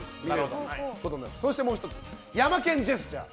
そしてもう１つヤマケン・ジェスチャー。